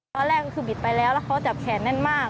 ตอนแรกคือบิดไปแล้วแล้วเขาจับแขนแน่นมาก